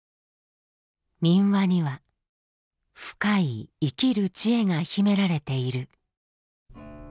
民話には深い生きる知恵が秘められている。